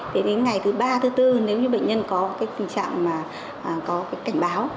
đến ngày thứ ba thứ tư nếu như bệnh nhân có tình trạng mà có cảnh báo